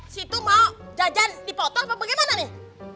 situ mau jajan dipotong apa bagaimana nih